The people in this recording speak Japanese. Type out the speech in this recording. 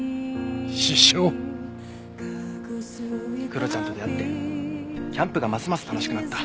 クロちゃんと出会ってキャンプがますます楽しくなった。